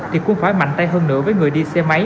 thì cũng phải mạnh tay hơn nữa với người đi xe máy